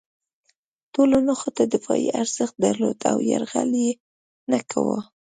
ټولو نښتو دفاعي ارزښت درلود او یرغل یې نه کاوه.